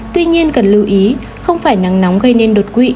tuy nhiên cần lưu ý không phải nắng nóng gây nên đột quỵ